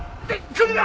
来るな！